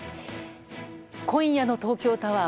今夜の東京タワー